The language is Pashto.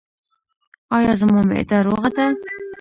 ایا زما معده روغه ده؟